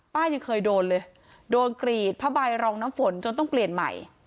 ยังเคยโดนเลยโดนกรีดผ้าใบรองน้ำฝนจนต้องเปลี่ยนใหม่